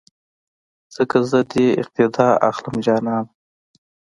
ځکه زه دې اقتیدا اخلم جانانه